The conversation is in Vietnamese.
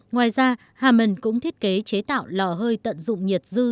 ngoài ra haman cũng thiết kế chế tạo lò hơi tận dụng nhiệt dư